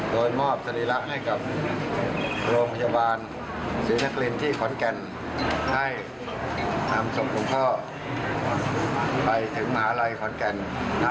โดยมอบสรีระให้กับโรงพยาบาลศิลป์นักลินที่ขอนแก่น